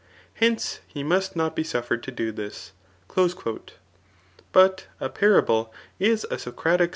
Hence, he must not be suflfered to do this." But a parable is a Socratic .